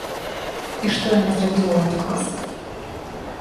І што яна зрабіла ў адказ?